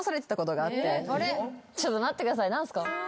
ちょっと待ってください何すか？